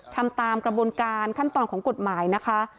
ทำตามกระบวนการขั้นตอนของกฎหมายนะคะ